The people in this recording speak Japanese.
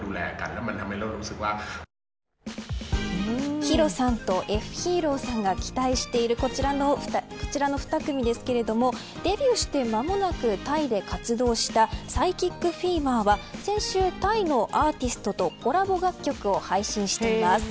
ＨＩＲＯさんとＦ．ＨＥＲＯさんが期待しているこちらの２組ですがデビューして間もなくタイで活動したＰＳＹＣＨＩＣＦＥＶＥＲは先週、タイのアーティストとコラボ楽曲を配信しています。